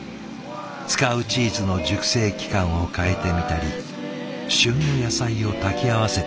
使うチーズの熟成期間を変えてみたり旬の野菜を炊き合わせてみたり。